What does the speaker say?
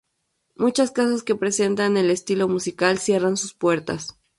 Muchas casas que presentan el estilo musical cierran sus puertas.